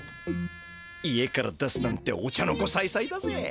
家から出すなんてお茶の子さいさいだぜ。